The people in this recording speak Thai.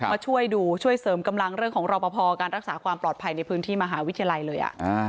มาช่วยดูช่วยเสริมกำลังเรื่องของรอปภการรักษาความปลอดภัยในพื้นที่มหาวิทยาลัยเลย